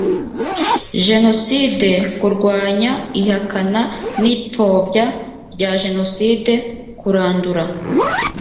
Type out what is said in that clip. jenoside kurwanya ihakana n ipfobya rya jenoside kurandura